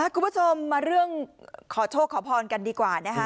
คุณผู้ชมมาเรื่องขอโชคขอพรกันดีกว่านะคะ